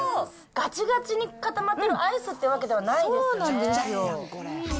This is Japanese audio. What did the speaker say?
がちがちに固まってるアイスってわけではないですね。